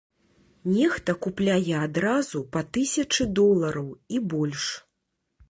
Нехта купляе адразу па тысячы долараў і больш.